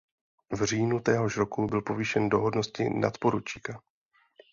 V říjnu téhož roku byl povýšen do hodnosti nadporučíka.